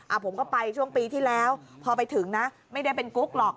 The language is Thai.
ผมก็ไปช่วงปีที่แล้วพอไปถึงนะไม่ได้เป็นกุ๊กหรอก